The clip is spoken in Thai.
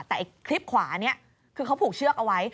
แต่คลิปขวานี้คือเขาผูกเชือกเอาไว้